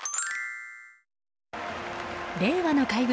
令和の怪物